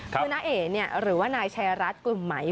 คือน้าเอ๋หรือว่านายชายรัฐกลุ่มไหม